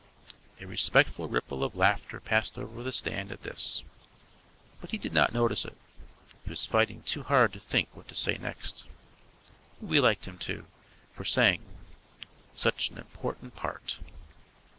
A respectful ripple of laughter passed over the stand at this, but he did not notice it. He was fighting too hard to think what to say next. We liked him, too, for saying "such an important part."